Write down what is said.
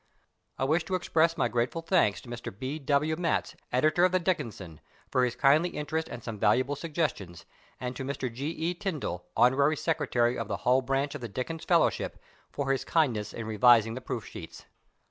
I wish to express my grateful thanks to Mr. B. W. Matz, Editor of the Dickensian, for his kindly interest and some valuable suggestions; and to Mr. G. E. Tindal, Hon. Secretary of the Hull Branch of the Dickens Fellow ship, for his kindness in revising the proof sheets.